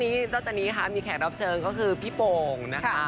นอกจากนี้ค่ะมีแขกรับเชิญก็คือพี่โป่งนะคะ